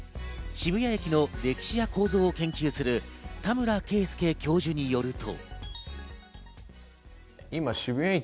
渋谷駅の歴史や構造を研究する田村圭介教授によると。